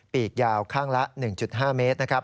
ปีกยาวข้างละ๑๕เมตร